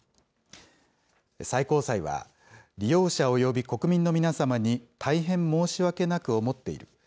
最高裁は、利用者および国民の皆様に大変申し訳なく思っている。